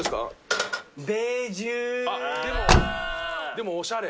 でもおしゃれ。